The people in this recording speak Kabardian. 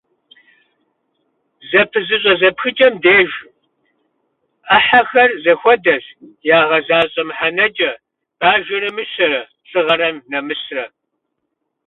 Зэпызыщӏэ зэпхыкӏэм деж ӏыхьэхэр зэхуэдэщ ягъэзащӏэ мыхьэнэкӏэ: бажэрэ мыщэрэ, лӏыгъэрэ нэмысрэ.